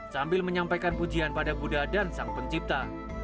sambil menyampaikan pujian pada buddha dan sang pencipta